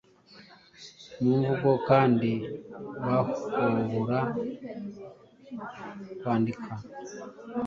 mumvugo, kandi bahobora kwandika